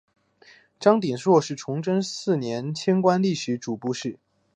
张调鼎是崇祯四年迁官礼部主事。